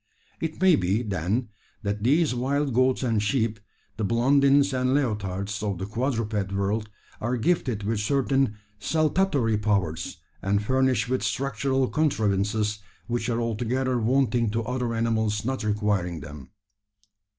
It may be, then, that these wild goats and sheep the Blondins and Leotards of the quadruped world are gifted with certain saltatory powers, and furnished with structural contrivances which are altogether wanting to other animals not requiring them.